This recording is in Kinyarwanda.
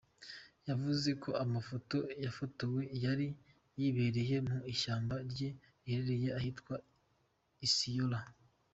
Yavuze ko amafoto yafotowe yari yibereye mu ishyamba rye riherereye ahitwa Isiolo.